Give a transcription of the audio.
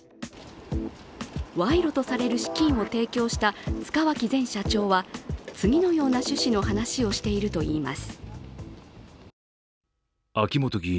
賄賂とされる資金を提供した塚脇前社長は次のような趣旨の話をしているといいます。